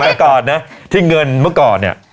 แต่ก่อนนะที่เงินเมื่อก่อนเนี่ย